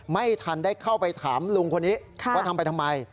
ไม่ทันได้เข้าไปถามลุงคนนี้ว่าทำไปทำไม